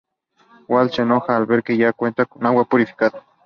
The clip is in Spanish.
Walt se enoja al ver que ya no cuentan con agua purificada.